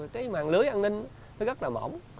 cái màn lưới an ninh nó rất là mỏng